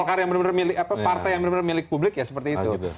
golkar yang benar benar milik partai yang benar benar milik publik ya seperti itu